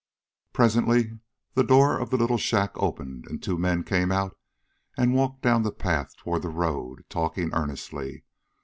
Presently the door of the little shack opened, and two men came out and walked down the path toward the road, talking earnestly.